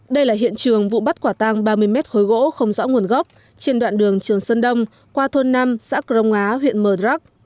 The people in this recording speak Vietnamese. đây là hiện trường vụ bắt quả tang ba mươi mét khối gỗ không rõ nguồn gốc trên đoạn đường trường sơn đông qua thôn năm xã crong á huyện mờ rắc